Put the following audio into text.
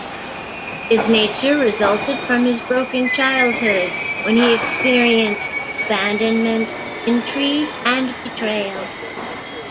His nature resulted from his broken childhood, when he experienced abandonment, intrigue and betrayal.